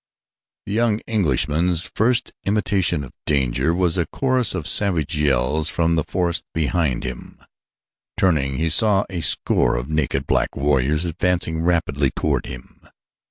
The young Englishman's first intimation of danger was a chorus of savage yells from the forest behind him. Turning, he saw a score of naked, black warriors advancing rapidly toward him.